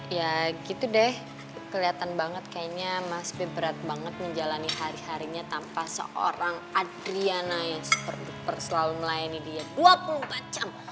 ya gitu deh kelihatan banget kayaknya mas feb berat banget menjalani hari harinya tanpa seorang adriana yang super duper selalu melayani dia dua puluh empat jam